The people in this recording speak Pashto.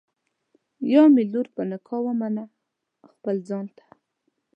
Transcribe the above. یا مي لور په نکاح ومنه خپل ځان ته